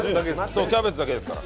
そうキャベツだけですから。